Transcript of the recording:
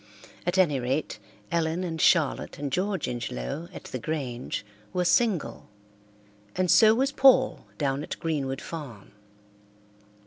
At any rate, Ellen and Charlotte and George Ingelow at the Grange were single, and so was Paul down at Greenwood Farm.